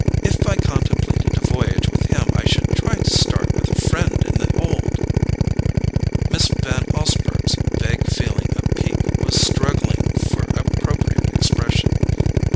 "If I contemplated a voyage with him I should try to start with a friend in the hold." Miss Van Osburgh's vague feeling of pique was struggling for appropriate expression.